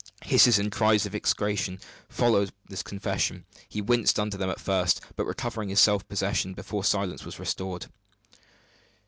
Hisses and cries of execration followed this confession. He winced under them at first; but recovered his self possession before silence was restored.